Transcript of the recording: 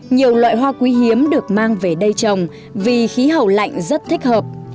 nhiều loại hoa quý hiếm được mang về đây trồng vì khí hậu lạnh rất thích hợp